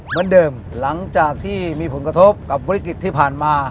เหมือนเดิมหลังจากที่มีผลกระทบกับวิกฤตที่ผ่านมา